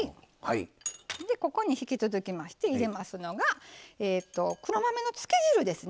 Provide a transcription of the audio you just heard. ここに引き続きまして入れますのが黒豆のつけ汁ですね。